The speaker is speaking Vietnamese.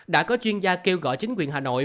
đã có chuyên gia kêu gọi chính quyền hà nội